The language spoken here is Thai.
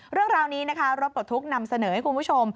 เรื่องราวนี้นะคะรถปลดทุกข์นำเสนอให้คุณผู้ชม